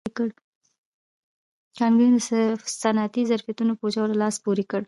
کانکرین د صنعتي ظرفیتونو په وچولو لاس پورې کړ.